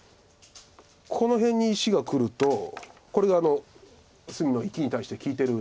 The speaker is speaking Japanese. この辺に石がくるとこれが隅の生きに対して利いてる。